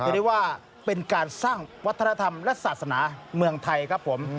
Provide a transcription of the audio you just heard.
เรียกว่าเป็นการสร้างวัฒนธรรมและศาสนาเมืองไทยครับผม